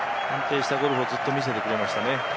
安定したゴルフをずっと見せてくれましたね。